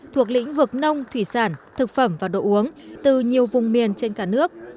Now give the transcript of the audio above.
thuộc lĩnh vực nông thủy sản thực phẩm và đồ uống từ nhiều vùng miền trên cả nước